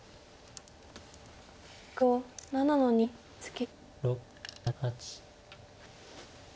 黒７の二ツケ。